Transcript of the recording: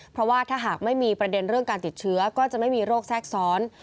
เพราะว่าถ้าหากไม่มีประเด็นเรื่องการติดเชื้อก็จะไม่มีโรคแทรกซ้อน